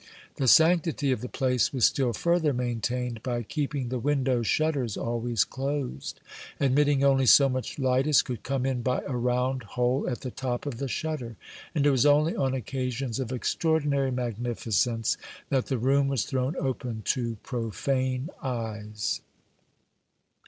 The sanctity of the place was still further maintained by keeping the window shutters always closed, admitting only so much light as could come in by a round hole at the top of the shutter; and it was only on occasions of extraordinary magnificence that the room was thrown open to profane eyes.